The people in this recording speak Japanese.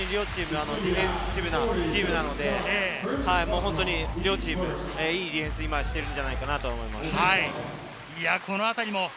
ディフェンシブな両チームなので、両チーム、いいディフェンスを今、しているんじゃないかなと思います。